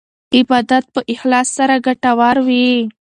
عبادت په اخلاص سره ګټور وي.